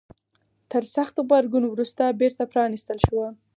تر سخت غبرګون وروسته بیرته پرانيستل شوه.